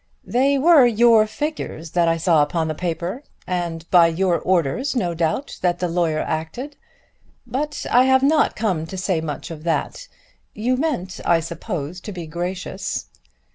"They were your figures that I saw upon the paper, and by your orders, no doubt, that the lawyer acted. But I have not come to say much of that. You meant I suppose to be gracious."